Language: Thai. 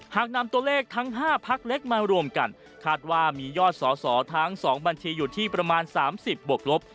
หากนำตัวเลขทั้ง๕พักเล็กมารวมกันคาดว่ามียอดสอสอทั้ง๒บัญชีอยู่ที่ประมาณ๓๐บวกลบ